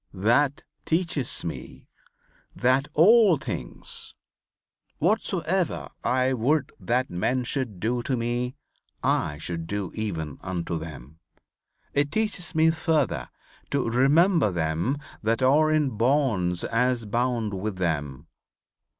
That teaches me that all things, whatsoever I would that men should do to me I should do even unto them. It teaches me further to 'Remember them that are in bonds as bound with them.'